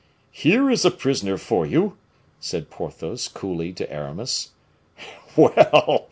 "Here is a prisoner for you," said Porthos coolly to Aramis. "Well!"